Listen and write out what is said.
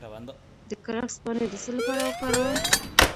د کرفس پاڼې د څه لپاره وکاروم؟